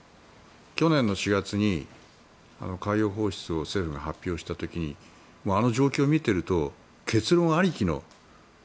去年の４月に海洋放出を政府が発表した時にあの状況を見ていると結論ありきの。